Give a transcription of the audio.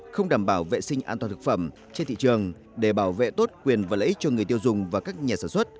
không đảm bảo vệ sinh an toàn thực phẩm trên thị trường để bảo vệ tốt quyền và lợi ích cho người tiêu dùng và các nhà sản xuất